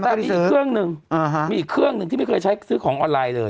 มีอีกเครื่องหนึ่งที่ไม่เคยซื้อของออนไลน์เลย